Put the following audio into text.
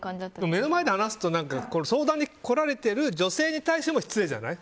目の前で話すと相談に来られてる女性に対しても失礼じゃない？